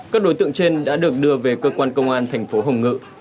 các đối tượng trên đã được đưa về cơ quan công an thành phố hồng ngự